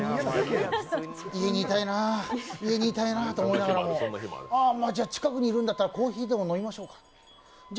家にいたいなー家にいたいなーと思いながらああまあじゃあ近くにいるんだったらコーヒーでも飲みましょうかじゃ